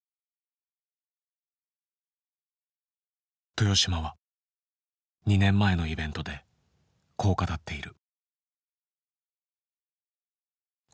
豊島は２年前のイベントでこう語っている。